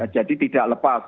jadi tidak lepas